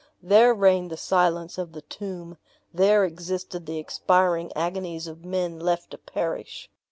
There reigned the silence of the tomb; there existed the expiring agonies of men left to perish.